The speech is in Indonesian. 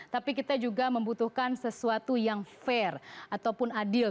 tapi kita juga membutuhkan sesuatu yang fair ataupun adil